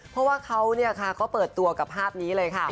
เพราะว่าเขาก็เปิดตัวกับภาพนี้เลยค่ะ